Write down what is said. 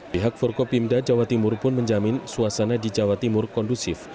pihak forkopimda jawa timur pun menjamin suasana di jawa timur kondusif